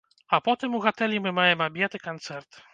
А потым у гатэлі мы маем абед і канцэрт.